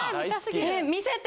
見せて！